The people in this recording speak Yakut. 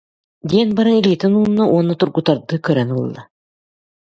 диэн баран илиитин уунна уонна тургутардыы көрөн ылла